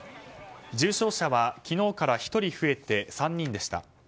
重症者は昨日から１人増えて３人でした。